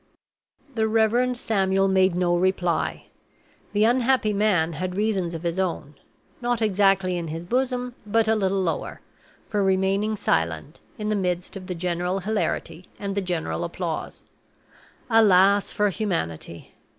The Reverend Samuel made no reply. The unhappy man had reasons of his own not exactly in his bosom, but a little lower for remaining silent, in the midst of the general hilarity and the general applause. Alas for humanity!